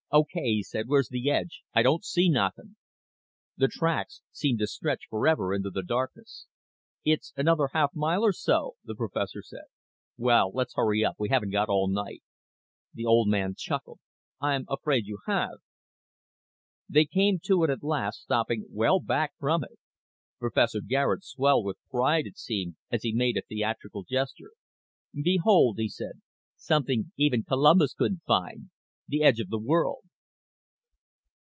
"Okay," he said "where's the edge? I don't see nothing." The tracks seemed to stretch forever into the darkness. "It's another half mile or so," the professor said. "Well, let's hurry up. We haven't got all night." The old man chuckled. "I'm afraid you have." They came to it at last, stopping well back from it. Professor Garet swelled with pride, it seemed, as he made a theatrical gesture. "Behold," he said. "Something even Columbus couldn't find. The edge of the world."